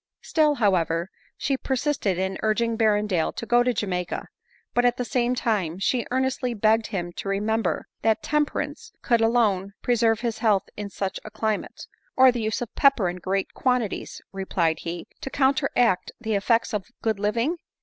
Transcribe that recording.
Still, however, she persisted in urging Berrendale to go to Jamaica ; but, at the same time, she earnestly beg ged him to remember, that temperance could alone pre j ADELINE MOWBRAY. 231 serve his health in such a climate ;— u or the use of pepper in great quantities," replied he, " to counteract the effects of good living